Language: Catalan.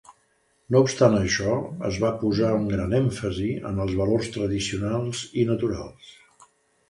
No obstant això, es va posar un gran èmfasi en els valors tradicionals i "naturals".